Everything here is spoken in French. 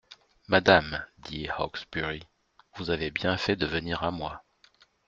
«Madame,» dit Hawksbury, «vous avez bien fait de venir à moi.